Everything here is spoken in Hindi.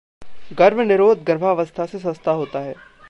गर्भ-निरोध गर्भावस्था से सस्ता होता है।